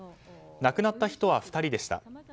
亡くなった人は２人でした。